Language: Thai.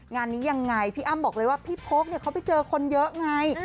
งานนี้ยังไงพี่อ้ำบอกเลยว่าพี่โพกเขาไปเจอคนเยอะไง